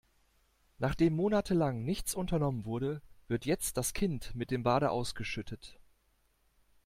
Nachdem monatelang nichts unternommen wurde, wird jetzt das Kind mit dem Bade ausgeschüttet.